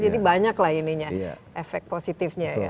jadi banyaklah ininya efek positifnya